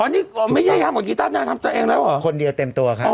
อ๋อนี่ไม่ใช่ทำกับกิต้าน่าทำตัวเองแล้วเหรอคนเดียวเต็มตัวค่ะอ๋อเหรอ